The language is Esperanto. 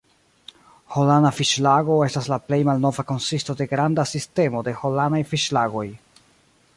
Holana fiŝlago estas la plej malnova konsisto de granda sistemo de Holanaj fiŝlagoj.